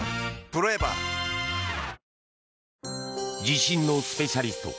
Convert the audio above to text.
地震のスペシャリスト